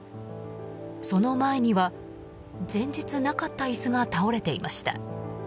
その前には、前日なかった椅子が倒れていました。